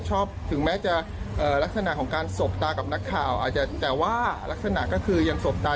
ถึงแม้จะลักษณะของการสบตากับนักข่าวอาจจะแต่ว่ารักษณะก็คือยังสบตา